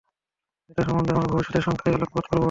এটা সম্বন্ধে আমরা ভবিষ্যতের সংখ্যায় আলোকপাত করব।